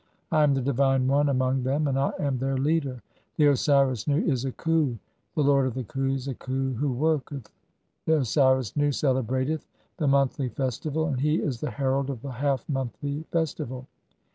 I am the divine One among "them, and [I am] their leader. The Osiris Nu (5) is a Khu, "the lord of the Khus, a Khu [who] worketh. The Osiris Nu "celebrateth the monthly festival and he is the herald of the "half monthly festival.